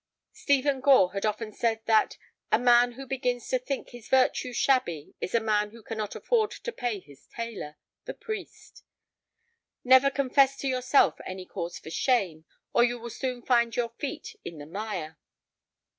Stephen Gore had often said that— "A man who begins to think his virtue shabby is a man who cannot afford to pay his tailor—the priest." "Never confess to yourself any cause for shame, or you will soon find your feet in the mire."